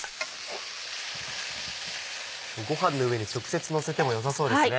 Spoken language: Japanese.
ご飯の上に直接のせても良さそうですね。